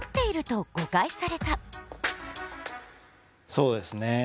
そうですね